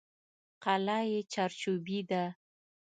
قلعه یې چارچوبي ده.